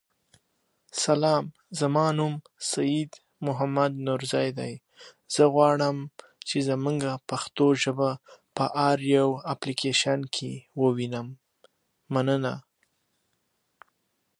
د هر کار پیل یو څه ستونزمن وي.